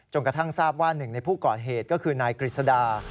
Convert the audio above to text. กระทั่งทราบว่าหนึ่งในผู้ก่อเหตุก็คือนายกฤษดา